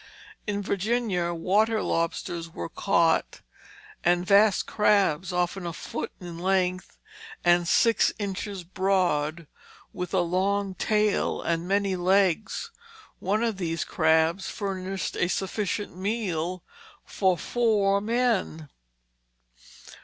In Virginia waters lobsters were caught, and vast crabs, often a foot in length and six inches broad, with a long tail and many legs. One of these crabs furnished a sufficient meal for four men.